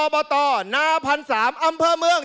บตนาพันธ์๓อำเภอเมือง